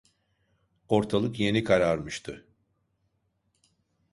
Ortalık yeni kararmıştı.